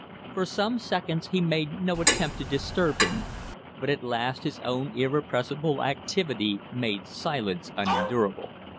For some seconds he made no attempt to disturb him; but at last his own irrepressible activity made silence unendurable.